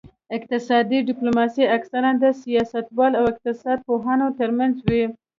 اقتصادي ډیپلوماسي اکثراً د سیاستوالو او اقتصاد پوهانو ترمنځ وي